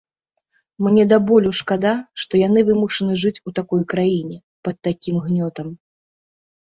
Мне да болю шкада, што яны вымушаны жыць у такой краіне, пад такім гнётам.